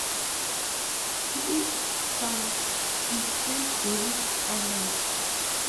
To its south is Saint David's Island.